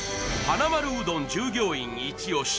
なまるうどん従業員イチ押し